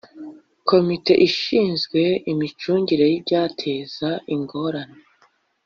komite ishinzwe imicungire y ibyateza ingorane